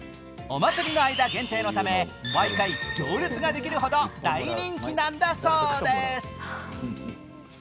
お祭りの間限定のため、毎回行列ができるほど大人気なんだそうです。